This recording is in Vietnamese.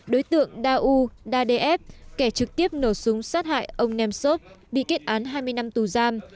đối tượng da u da df kẻ trực tiếp nổ súng sát hại ông nemtsov bị kết án hai mươi năm tù giam